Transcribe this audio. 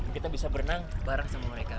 kita bisa berenang bareng sama mereka